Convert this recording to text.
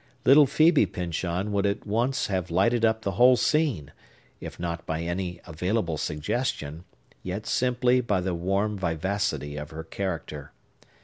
Little Phœbe Pyncheon would at once have lighted up the whole scene, if not by any available suggestion, yet simply by the warm vivacity of her character.